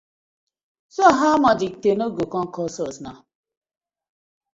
So how much the canoe go com cost naw?